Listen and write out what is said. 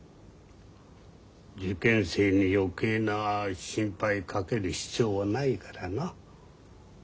受験生に余計な心配かける必要はないからな。